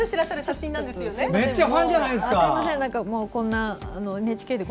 ご自身がめっちゃファンじゃないですか！